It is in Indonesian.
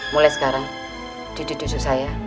mulai sekarang cucu cucu saya